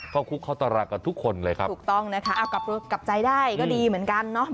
เข้าคุกเข้าตารางกันทุกคนเลยครับถูกต้องนะคะเอากลับใจได้ก็ดีเหมือนกันเนาะ